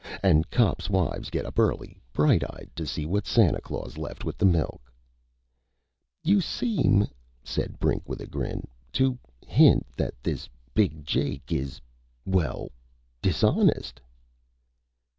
An' cops' wives get up early, bright eyed, to see what Santa Claus left with the milk." "You seem," said Brink with a grin, "to hint that this Big Jake is ... well ... dishonest."